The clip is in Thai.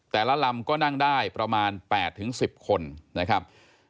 ลำก็นั่งได้ประมาณ๘๑๐คนนะครับ